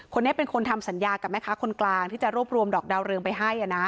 คนนี้เป็นคนทำสัญญากับแม่ค้าคนกลางที่จะรวบรวมดอกดาวเรืองไปให้นะ